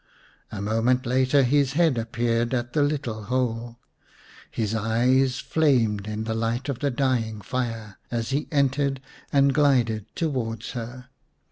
A moment later his head appeared at the little hole. His eyes flamed in the light of the dying fire, as he entered and glided towards her.